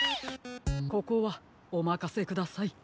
ここはおまかせください。